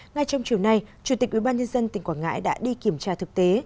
ngay trong chiều nay chủ tịch ubnd tỉnh quảng ngãi đã đi kiểm tra thực tế